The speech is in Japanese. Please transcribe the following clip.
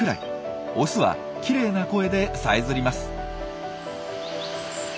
オスはきれいな声でさえずります。